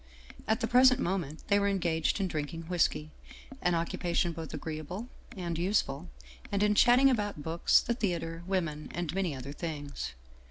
At the present moment they were engaged in drinking whisky, an occupation both agreeable and use ful, and in chatting about books, the theater, women and many other things.